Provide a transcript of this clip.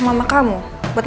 nggak ada di jakarta